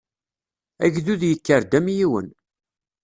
Agdud yekker-d am yiwen.